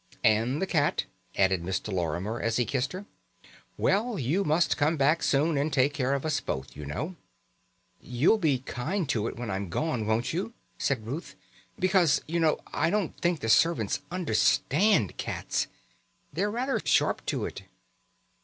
"And the cat," added Mr. Lorimer as he kissed her. "Well, you must come back soon and take care of us both, you know." "You'll be kind to it when I'm gone, won't you?" said Ruth. "Because, you know, I don't think the servants understand cats. They're rather sharp to it."